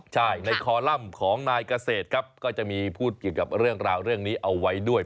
ใช่ในคอลัมป์ของนายเกษตรครับก็จะมีพูดเกี่ยวกับเรื่องราวเรื่องนี้เอาไว้ด้วย